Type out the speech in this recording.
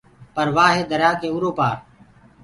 پر وآ هي دريآ ڪي اُرو پآر۔